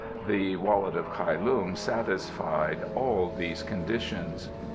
The Wallet of Kai Lung satisfied all these conditions.